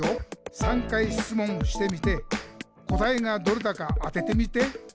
「３回しつもんしてみて答えがどれだか当ててみて！」